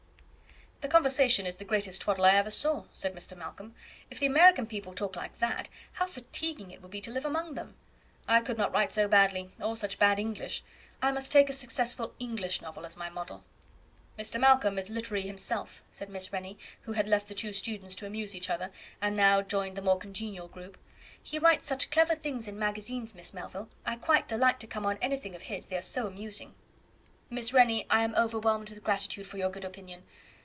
"The conversation is the greatest twaddle I ever saw," said Mr. Malcolm. "If the American people talk like that, how fatiguing it would be to live among them! I could not write so badly, or such bad English. I must take a successful English novel as my model." "Mr. Malcolm is literary himself," said Miss Rennie, who had left the two students to amuse each other, and now joined the more congenial group. "He writes such clever things in magazines, Miss Melville, I quite delight to come on anything of his, they are so amusing." "Miss Rennie, I am overwhelmed with gratitude for your good opinion.